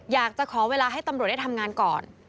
อยากจะขอเวลาให้ตำรวจได้ทำงานก่อน